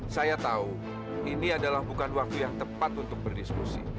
saya tahu ini adalah bukan waktu yang tepat untuk berdiskusi